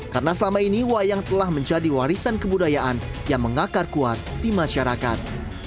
karena selama ini wayang telah menjadi warisan kebudayaan yang mengakar kuat di masyarakat